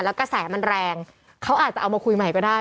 แล้วกระแสมันแรงเขาอาจจะเอามาคุยใหม่ก็ได้